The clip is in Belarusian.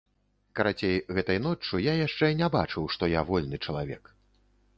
Карацей, гэтай ноччу я яшчэ не бачыў, што я вольны чалавек.